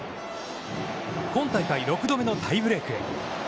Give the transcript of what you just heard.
本大会６度目のタイブレークへ。